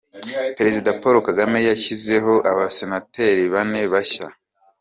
Perezida Paul Kagame yashyizeho abasenateri bane bashya